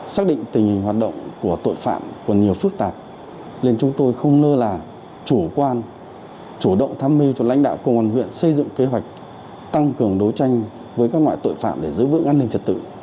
xác định tình hình hoạt động của tội phạm còn nhiều phức tạp nên chúng tôi không nơ là chủ quan chủ động tham mưu cho lãnh đạo công an huyện xây dựng kế hoạch tăng cường đấu tranh với các loại tội phạm để giữ vững an ninh trật tự